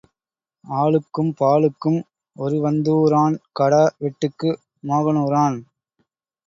ஆழுக்கும் பாழுக்கும் ஒருவந்துாரான் கடா வெட்டுக்கு மோகனுராான்.